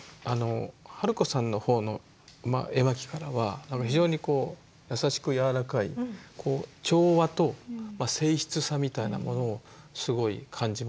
春子さんの方の絵巻からは非常に優しく柔らかい調和と静謐さみたいなものをすごい感じました。